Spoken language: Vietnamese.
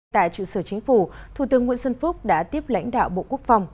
tại trụ sở chính phủ thủ tướng nguyễn xuân phúc đã tiếp lãnh đạo bộ quốc phòng